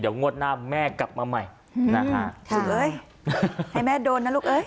เดี๋ยวงวดหน้าแม่กลับมาใหม่นะฮะถูกเอ้ยให้แม่โดนนะลูกเอ้ย